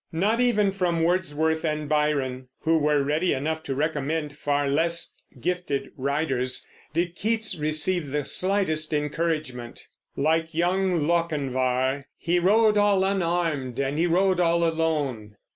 Not even from Wordsworth and Byron, who were ready enough to recommend far less gifted writers, did Keats receive the slightest encouragement. Like young Lochinvar, "he rode all unarmed and he rode all alone."